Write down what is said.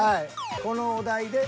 このお題で。